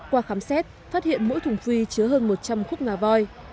qua khám xét phát hiện mỗi thùng phi chứa hơn một trăm linh khúc ngà voi